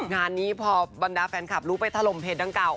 งานนี้พอบรรดาแฟนคลับรู้ไปถล่มเพจดังเก่า